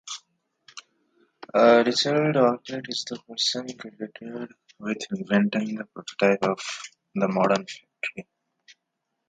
Richard Arkwright is the person credited with inventing the prototype of the modern factory.